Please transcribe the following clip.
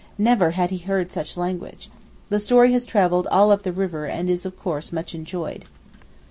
Never had he heard such language. The story has travelled all up the river and is of course much enjoyed.